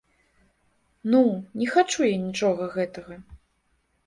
Ну, не хачу я нічога гэтага.